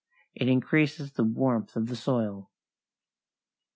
It increases the warmth of the soil.